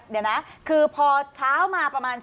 เดี๋ยวนะเปอร์เช้ามาประมาณ๑๐โมง